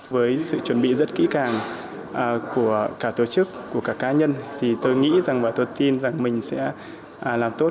với sự chuẩn bị rất kỹ càng của cả tổ chức của cả cá nhân thì tôi nghĩ rằng và tôi tin rằng mình sẽ làm tốt